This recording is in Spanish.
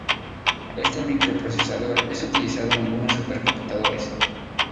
Este microprocesador es utilizado en algunos supercomputadores.